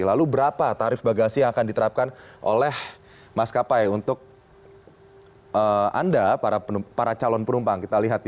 lalu berapa tarif bagasi yang akan diterapkan oleh maskapai untuk anda para calon penumpang